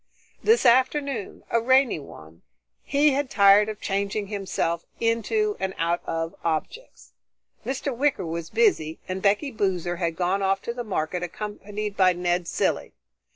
This afternoon, a rainy one, he had tired of changing himself into and out of objects. Mr. Wicker was busy, and Becky Boozer had gone off to market accompanied by Ned Cilley.